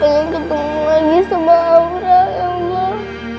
saya ketemu lagi sama aura ya allah